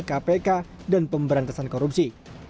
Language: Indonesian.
kpk dan pemberantasan korupsi